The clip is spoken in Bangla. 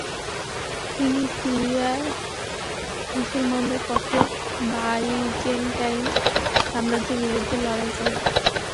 তিনি সিরিয়ায় মুসলমানদের পক্ষে বাইজেন্টাইন সাম্রাজ্যের বিরুদ্ধে লড়াই করেন।